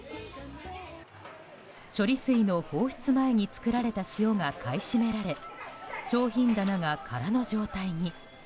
処理水の放出前に作られた塩が買い占められ商品棚が空の状態に。